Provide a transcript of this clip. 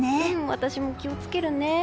私も気を付けるね。